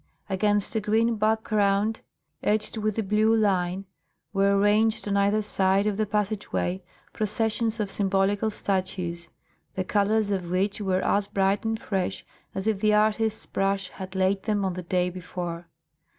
Against a green background edged with a blue line were ranged on either side of the passageway processions of symbolical statues, the colours of which were as bright and fresh as if the artist's brush had laid them on the day before.